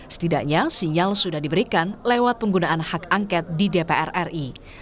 setidaknya sinyal sudah diberikan lewat penggunaan hak angket di dpr ri